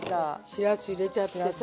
しらす入れちゃってさ。